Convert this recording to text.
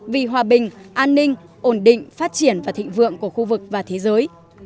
vì hòa bình an ninh ổn định phát triển và thịnh vượng của khu vực và thế giới